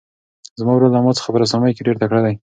زما ورور له ما څخه په رسامۍ کې ډېر تکړه دی.